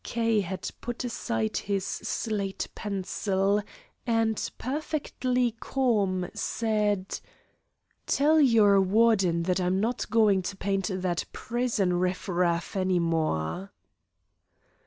K. had put aside his slate pencil and, perfectly calm, said: "Tell your Warden that I am not going to paint that prison riffraff any more."